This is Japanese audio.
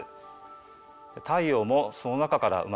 太陽もその中から生まれてきました。